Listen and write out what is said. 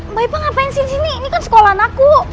mba ipa ngapain sini sini ini kan sekolahan aku